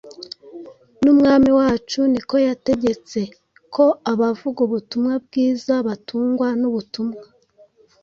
N’Umwami wacu ni ko yategetse, ko abavuga ubutumwa bwiza batungwa n’ubutumwa